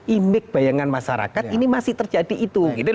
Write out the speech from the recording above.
image bayangan masyarakat ini masih terjadi itu